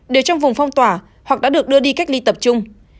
đều trong vùng phong tỏa hoặc đã được đưa đi cách ly tập trung